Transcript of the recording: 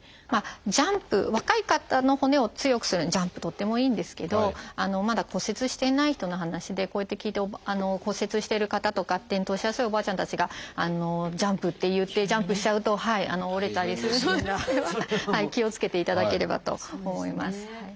ジャンプ若い方の骨を強くするのにジャンプとってもいいんですけどまだ骨折していない人の話でこうやって聞いて骨折してる方とか転倒しやすいおばあちゃんたちがジャンプっていってジャンプしちゃうと折れたりするので気をつけていただければと思います。